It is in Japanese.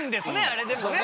あれでもね？